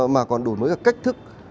mà còn đổi mới là cách thức